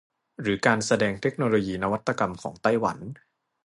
หรือการแสดงเทคโนโลยีนวัตกรรมของไต้หวัน